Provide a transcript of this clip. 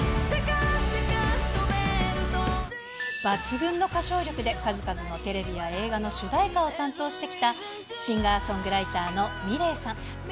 抜群の歌唱力で数々のテレビや映画の主題歌を担当してきた、シンガーソングライターのｍｉｌｅｔさん。